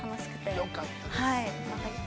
◆よかったです。